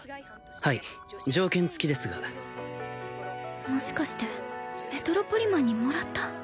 はい条件付きですがもしかしてメトロポリマンにもらった？